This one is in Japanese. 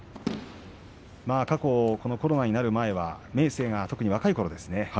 過去、コロナになる前は明生の若いころですね。